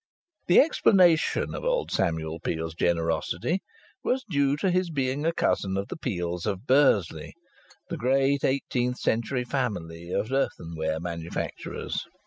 The explanation of old Samuel Peel's generosity was due to his being a cousin of the Peels of Bursley, the great eighteenth century family of earthenware manufacturers.